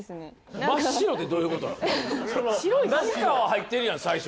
何かは入ってるやん最初。